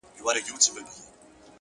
پوهه د شکونو ځنځیر ماتوي،